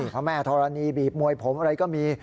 พระแม่ธรณีบีบมวยผมอะไรก็มี